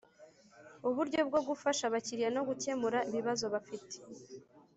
Uburyo bwo gufasha abakiriya no gukemura ibibazo bafite